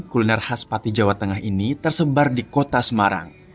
kuliner khas pati jawa tengah ini tersebar di kota semarang